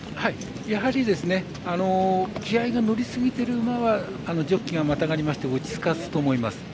やはり気合いが乗りすぎてる馬はジョッキーがまたがりまして落ち着かすと思います。